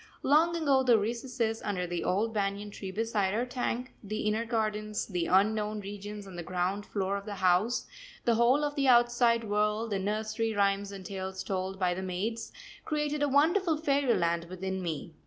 Long ago the recesses under the old banyan tree beside our tank, the inner gardens, the unknown regions on the ground floor of the house, the whole of the outside world, the nursery rhymes and tales told by the maids, created a wonderful fairyland within me.